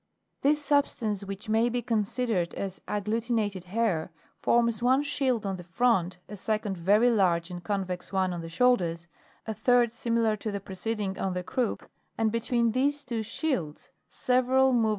This substance which may be considered as agglu tinated hair, forms one shield on the front, a second very large and convex one on the shoulders, a third similar to the preceding on the croup, and, between these two shields, several moveable 4.